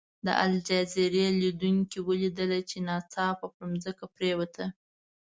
د الجزیرې لیدونکو ولیدله چې ناڅاپه پر ځمکه پرېوته.